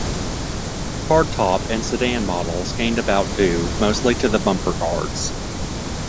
Hardtop and sedan models gained about due mostly to the bumper guards.